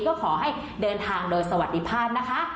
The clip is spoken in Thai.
ก็ขอให้เดินทางโดยสวัสดีภาพนะคะ